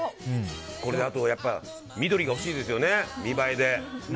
これ、あと緑が欲しいですね、見栄えで。